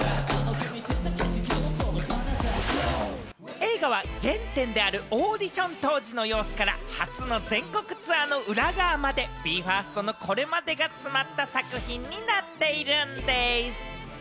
映画は原点であるオーディション当時の様子から、初の全国ツアーの裏側まで、ＢＥ：ＦＩＲＳＴのこれまでが詰まった作品になっているんでぃす。